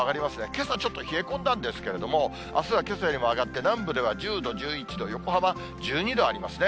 けさ、ちょっと冷え込んだんですけれども、あすはけさよりも上がって、南部では１０度、１１度、横浜１２度ありますね。